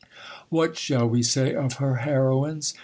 What shall we say of her heroines?